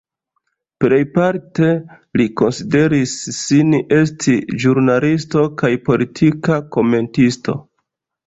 Plejparte li konsideris sin esti ĵurnalisto kaj politika komentisto.